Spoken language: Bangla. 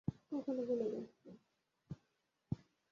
কখনো ভুলে যাস না।